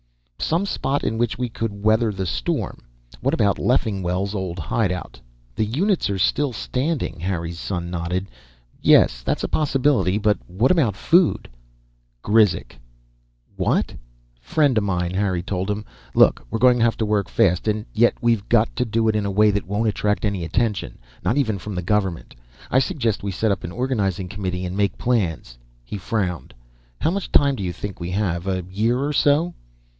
"Some spot in which we could weather the storm. What about Leffingwell's old hideout?" "The units are still standing." Harry's son nodded. "Yes, that's a possibility. But what about food?" "Grizek." "What?" "Friend of mine," Harry told him. "Look, we're going to have to work fast. And yet we've got to do it in a way that won't attract any attention; not even from the government. I suggest we set up an organizing committee and make plans." He frowned. "How much time do you think we have a year or so?"